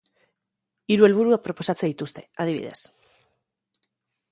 Hiru helburu proposatzen dituzte, adibidez.